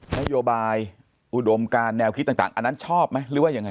นโยบายอุดมการแนวคิดต่างอันนั้นชอบไหมหรือว่ายังไง